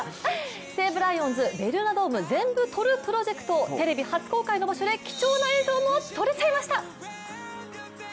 西武ライオンズベルーナドームぜんぶ撮るプロジェクト、テレビ初公開の場所で貴重な映像も撮れちゃいました。